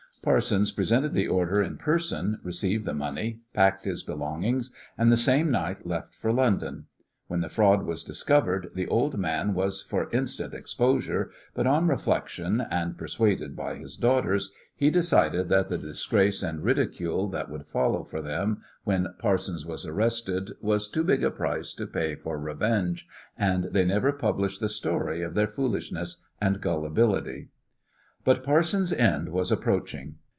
Parsons presented the order in person, received the money, packed his belongings, and the same night left for London. When the fraud was discovered the old man was for instant exposure, but on reflection, and persuaded by his daughters, he decided that the disgrace and ridicule that would follow for them when Parsons was arrested was too big a price to pay for revenge, and they never published the story of their foolishness and gullibility. But Parsons' end was approaching.